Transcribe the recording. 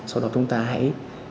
sau đó chúng ta hãy